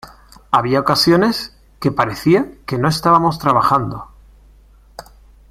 Había ocasiones que parecía que no estábamos trabajando.